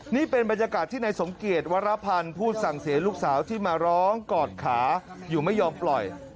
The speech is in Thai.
นี่เป็นบรรยากาศที่นายสมเกียจวรพันธ์พูดสั่งเสียลูกสาวที่มาร้องกอดขาอยู่ไม่ยอมปล่อย